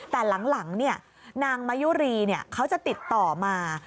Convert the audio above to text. แต่หลังนางมายุรีเขาจะติดต่อมา